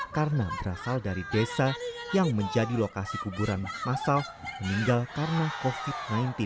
karena berasal dari desa yang menjadi lokasi kuburan masal meninggal karena covid sembilan belas